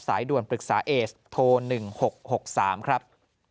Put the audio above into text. ด่วนปรึกษาเอสโทร๑๖๖๓ครับ